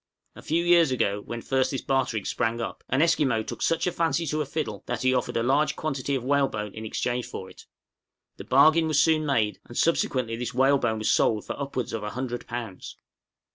A few years ago, when first this bartering sprang up, an Esquimaux took such a fancy to a fiddle that he offered a large quantity of whalebone in exchange for it. The bargain was soon made, and subsequently this whalebone was sold for upwards of a hundred pounds!